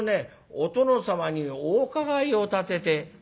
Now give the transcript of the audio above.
お殿様にお伺いを立てて」。